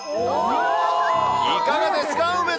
いかがですか？